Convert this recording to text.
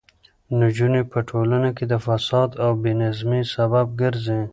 نجونې په ټولنه کې د فساد او بې نظمۍ سبب ګرځي.